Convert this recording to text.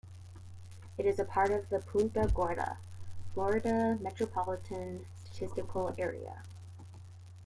It is part of the Punta Gorda, Florida Metropolitan Statistical Area.